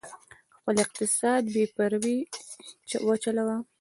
خپل اقتصاد یې پرې وچلوه،